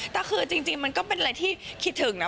แต่คือจริงมันก็เป็นอะไรที่คิดถึงนะ